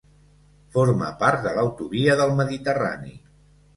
Forma part de l'Autovia del Mediterrani.